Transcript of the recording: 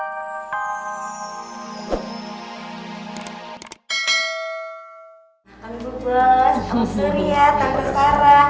om surya tante sara